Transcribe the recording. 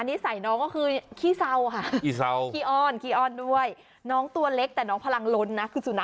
นิสัยน้องก็คือขี้เศร้าค่ะ